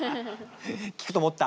聞くと思った！